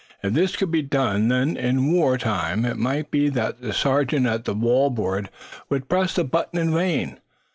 If this could be done, then, in war time, it might be that the sergeant at the wall board would press the button in vain.